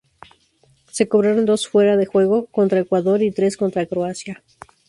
Se cobraron dos fuera de juego contra Ecuador y tres contra Croacia.